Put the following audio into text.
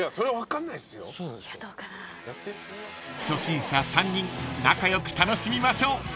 ［初心者３人仲良く楽しみましょう］